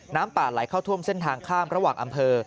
น้ำป่าไหลเข้าท่วมเส้นทางข้ามระหว่างอำเภอ